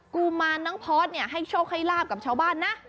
กุมารน้องพอร์ตให้โชคให้ลาบกับชาวบ้านนะ